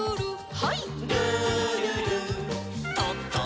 はい。